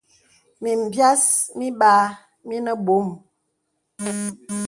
Mìm bìàs mìbàà mìnə bɔ̄m.